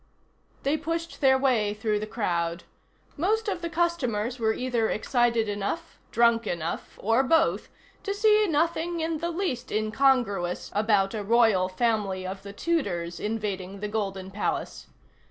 They pushed their way through the crowd. Most of the customers were either excited enough, drunk enough, or both to see nothing in the least incongruous about a Royal Family of the Tudors invading the Golden Palace.